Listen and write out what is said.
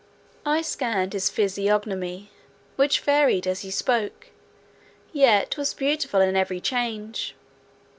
I scanned his physiognomy, which varied as he spoke, yet was beautiful in every change.